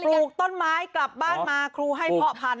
ลูกต้นไม้กลับบ้านมาครูให้เพาะพันธ